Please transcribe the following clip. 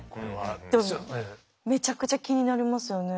でもめちゃくちゃ気になりますよね。